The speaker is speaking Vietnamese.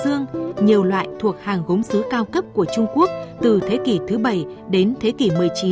nhiều loại được sản xuất tại hải dương nhiều loại thuộc hàng gốm xứ cao cấp của trung quốc từ thế kỷ thứ bảy đến thế kỷ một mươi chín